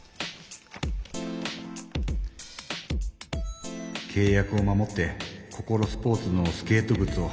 心の声けい約を守ってココロスポーツのスケートぐつをはく。